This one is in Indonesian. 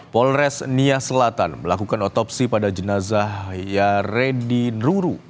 polres nia selatan melakukan otopsi pada jenazah ya redi nururu